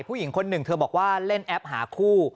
ผู้หญิงคนหนึ่งเธอบอกว่าเล่นแอปหาคู่